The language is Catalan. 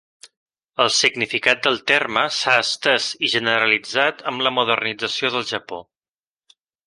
El significat del terme s'ha estès i generalitzat amb la modernització del Japó.